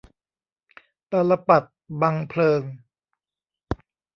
ตาลปัตรบังเพลิง